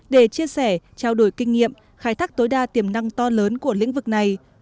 để chia sẻ trao đổi kinh nghiệm khai thác tối đa tiềm năng to lớn của lĩnh vực này